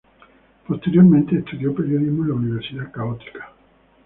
Posteriormente estudió periodismo en la Universidad Católica.